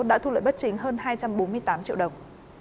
đã thu lợi bất chính hơn hai trăm bốn mươi tám triệu đồng